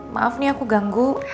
maaf nih aku ganggu